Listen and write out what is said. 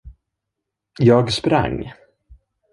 Jag sprang.